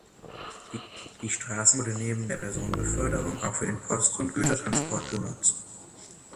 Die Straßenbahn wurde neben der Personenbeförderung auch für den Post- und Gütertransport genutzt.